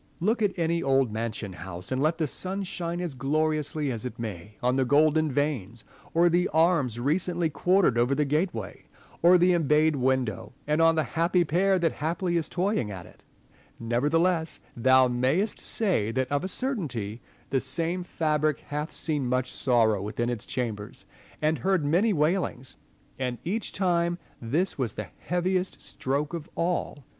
Look at any old mansion house, and let the sun shine as gloriously as it may on the golden vanes, or the arms recently quartered over the gateway or the embayed window, and on the happy pair that haply is toying at it : nevertheless, thou mayest say that of a certainty the same fabric hath seen much sorrow within its chambers, and heard many wailings ; and each time this was the heaviest stroke of all.